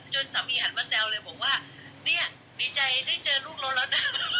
จนสามีหันมาแซวเลยบอกว่านี่ดีใจได้เจอลูกรถ